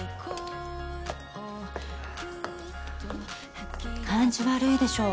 ははっ感じ悪いでしょ？